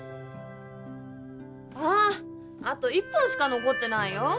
あっあと一本しか残ってないよ。